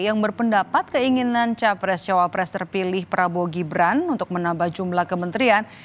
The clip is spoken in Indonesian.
yang berpendapat keinginan capres cawapres terpilih prabowo gibran untuk menambah jumlah kementerian